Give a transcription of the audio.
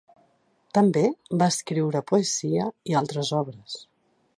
També va escriure poesia i altres obres.